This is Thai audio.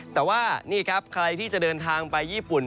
แต่ว่านี่ครับใครที่จะเดินทางไปญี่ปุ่น